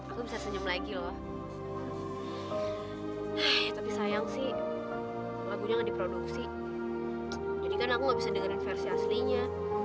aku bisa senyum lagi loh tapi sayang sih lagunya nggak diproduksi jadi kan aku nggak bisa dengerin versi aslinya